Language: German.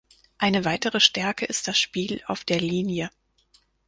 Eine weitere Stärke ist das Spiel auf der Linie.